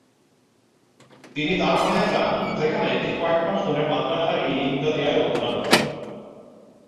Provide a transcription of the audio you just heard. তিনি দারভাঙ্গায় যান যেখানে তিনি কয়েক মাস ধরে মাদ্রাসা-ই-ইমদাদিয়ায় অধ্যয়ন করেন।